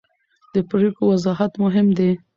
د پرېکړو وضاحت مهم دی